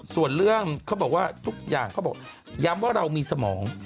ส่วนเรื่องเขาบอกว่าทุกอย่างเขาบอกย้ำว่าเรามีสมอง